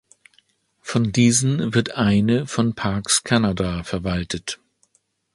Von diesen wird eine von Parks Canada verwaltet.